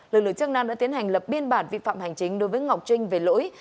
lực lượng chức năng đã tiến hành lập biên bản vi phạm hành chính đối với ngọc trinh về lỗi